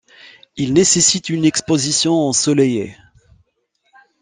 Il nécessite une exposition ensoleillée.